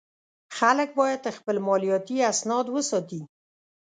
خلک باید خپل مالیاتي اسناد وساتي.